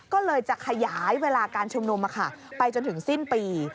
ก็เลยจะขยายเวลาการชุมนุมไปจนถึงสิ้นปี